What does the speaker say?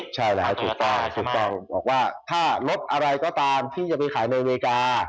ใช่แล้วถูกต้องถูกต้องบอกว่าถ้าลดอะไรก็ตามที่จะไปขายในอเมริกา